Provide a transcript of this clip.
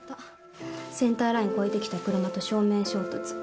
センターライン越えてきた車と正面衝突。